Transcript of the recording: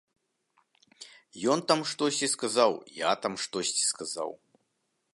Ён там штосьці сказаў, я там штосьці сказаў.